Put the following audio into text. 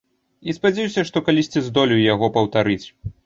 І спадзяюся, што калісьці здолею яго паўтарыць.